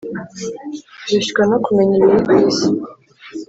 Turushywa no kumenya ibiri ku isi,